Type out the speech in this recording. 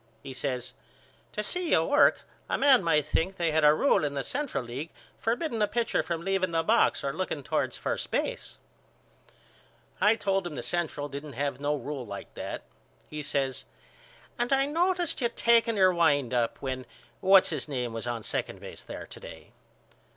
He says To see you work a man might think they had a rule in the Central League forbidding a pitcher from leaving the box or looking toward first base. I told him the Central didn't have no rule like that. He says And I noticed you taking your wind up when What's His Name was on second base there to day.